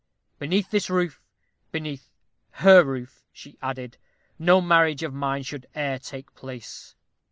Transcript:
Beneath this roof beneath her roof, she added no marriage of mine should e'er take place.